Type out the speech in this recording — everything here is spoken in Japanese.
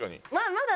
「まだ」。